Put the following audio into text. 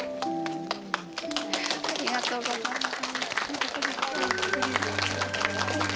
ありがとうございます。